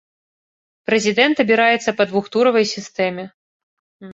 Прэзідэнт абіраецца па двухтуравой сістэме.